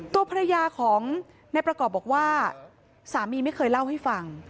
ตัวภรรยาของนายประกอบบอกว่าสามีไม่เคยเล่าให้ฟัง